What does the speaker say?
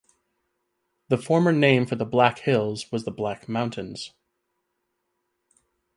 The former name for the Black Hills was the Black Mountains.